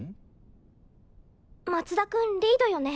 松田君リードよね。